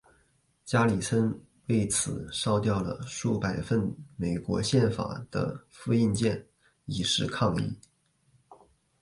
加里森为此烧掉了数百份美国宪法的复印件以示抗议。